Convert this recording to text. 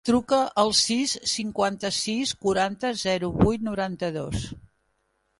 Truca al sis, cinquanta-sis, quaranta, zero, vuit, noranta-dos.